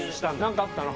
何かあったの？